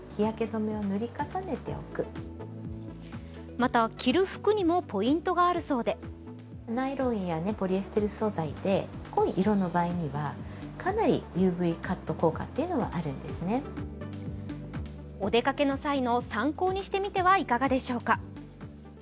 また着る服にもポイントがあるそうでお出かけの際の参考にしてみてはいかがでしょうか。